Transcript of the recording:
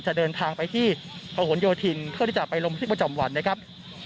จะเดินทางไปที่ประหลโยธินเพื่อที่จะไปลงทึกประจำวันนะครับ